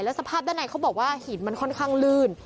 สภาพด้านในเขาบอกว่าหินมันค่อนข้างลื่น